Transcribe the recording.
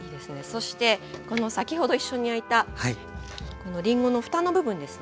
そして先ほど一緒に焼いたこのりんごのふたの部分ですね